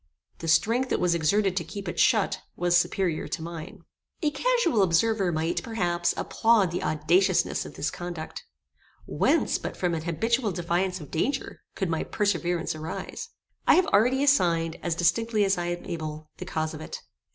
The strength that was exerted to keep it shut, was superior to mine. A casual observer might, perhaps, applaud the audaciousness of this conduct. Whence, but from an habitual defiance of danger, could my perseverance arise? I have already assigned, as distinctly as I am able, the cause of it.